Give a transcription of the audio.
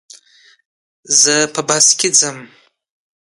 زه په بس کي درځم.